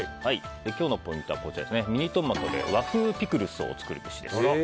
今日のポイントは、ミニトマトで和風ピクルスを作るべしです。